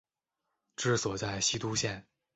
治所在西都县。